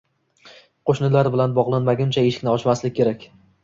qo‘shnilar bilan bog‘lanmaguncha eshikni ochmaslik kerak.